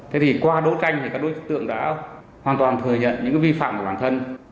thế thì qua đấu tranh thì các đối tượng đã hoàn toàn thừa nhận những vi phạm của bản thân